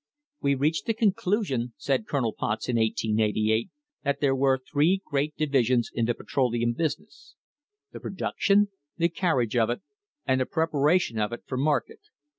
"We reached the conclusion," said Colonel Potts in 1888, "that there were three great divisions in the petroleum business — the produc tion, the carriage of it, and the preparation of it for mar ket.